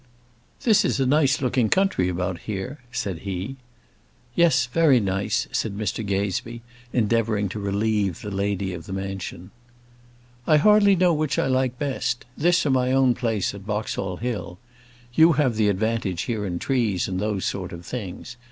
"This is a nice looking country about here," said he. "Yes; very nice," said Mr Gazebee, endeavouring to relieve the lady of the mansion. "I hardly know which I like best; this, or my own place at Boxall Hill. You have the advantage here in trees, and those sort of things.